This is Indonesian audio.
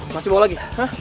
masih mau lagi